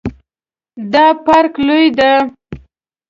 دا پارک لوی ده